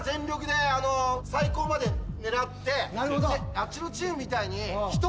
あっちのチームみたいに。